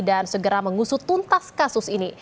dan segera mengusut tuntas kasus ini